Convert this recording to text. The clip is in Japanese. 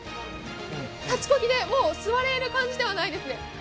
立ちこぎで、もう座れる感じではないですね。